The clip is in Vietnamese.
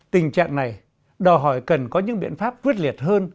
tình trạng này đòi hỏi cần có những biện pháp quyết liệt hơn